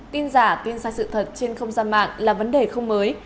tin giả tin sai sự thật trên không gian mạng là vấn đề không mới